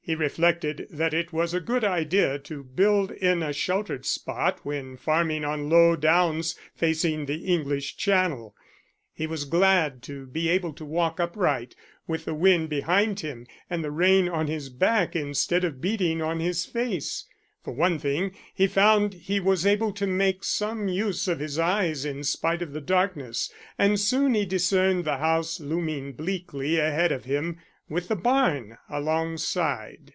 He reflected that it was a good idea to build in a sheltered spot when farming on low downs facing the English Channel. He was glad to be able to walk upright, with the wind behind him and the rain on his back instead of beating on his face. For one thing, he found he was able to make some use of his eyes in spite of the darkness, and soon he discerned the house looming bleakly ahead of him, with the barn alongside.